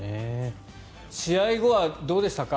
試合後はどうでしたか？